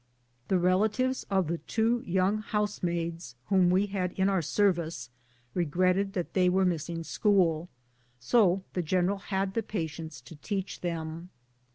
The relatives of the two young housemaids whom we had in our service regretted that they were missing 144 BOOTS AND SADDLES. school, SO the general had the patience to teach them.